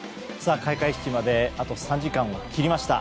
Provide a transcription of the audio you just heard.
開会式まであと３時間を切りました。